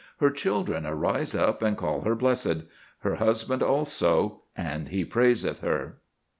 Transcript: Her children arise up, and call her blessed; her husband also, and he praiseth her.